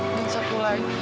dan satu lagi